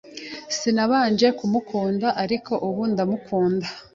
Sinabanje kumukunda, ariko ubu ndamukunda.